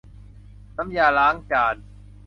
น้ำยาล้างจาน